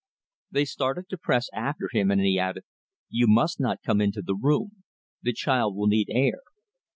They started to press after him, and he added, "You must not come into the room. The child will need air."